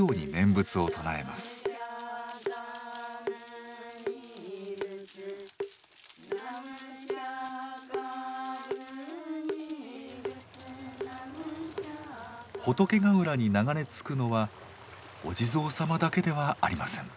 仏ヶ浦に流れ着くのはお地蔵様だけではありません。